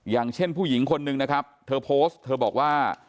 อย่างเช่นผู้หญิงคนนึงนะครับเธอโพสต์เธอบอกว่า